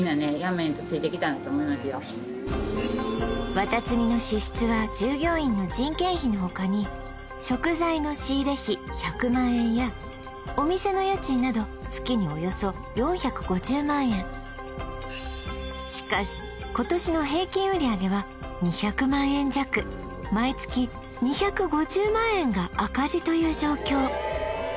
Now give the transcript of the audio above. わたつみの支出は従業員の人件費の他に食材の仕入れ費１００万円やお店の家賃など月におよそ４５０万円しかし今年の平均売上は２００万円弱毎月２５０万円が赤字という状況